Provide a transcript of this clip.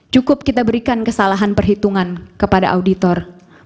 cukup kita berikan kesalahan perhitungan kepada auditor